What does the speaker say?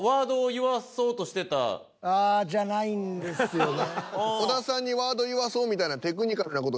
ああじゃないんですよね。